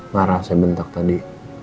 marah saya bentak tadi